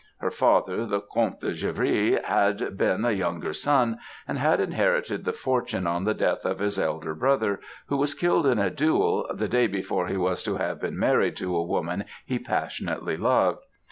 Her father, the Comte de Givry had been a younger son, and had inherited the fortune on the death of his elder brother who was killed in a duel the day before he was to have been married to a woman he passionately loved.